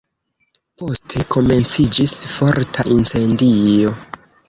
Poste komenciĝis forta incendio.